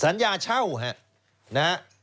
สัญญาเช่านะ